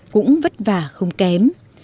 cũng vất vả không kém